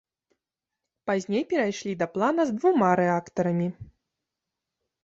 Пазней перайшлі да плана з двума рэактарамі.